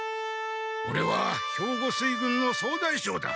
オレは兵庫水軍の総大将だ！